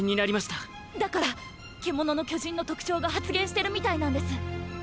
だから「獣の巨人」の特徴が発現してるみたいなんです。